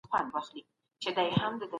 شخصي ملکيت د اقتصاد بنسټ دی.